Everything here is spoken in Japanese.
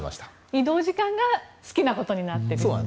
移動時間が好きなことになってると。